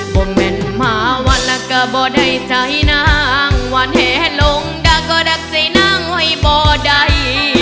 ก็แม่นมาวันนี้ก็โบ๊ธไหนท์ใจน้องหวันให้หลงดักก็ดักใส่น้องไว้บ่อได้